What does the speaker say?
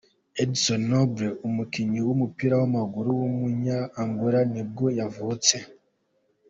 Édson Nobre, umukinnyi w’umupira w’amaguru w’umunya Angola nibwo yavutse.